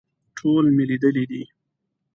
ټول مې لیدلي دي.